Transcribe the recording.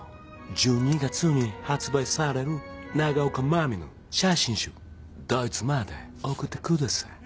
１２月に発売される永岡真実の写真集ドイツまで送ってください」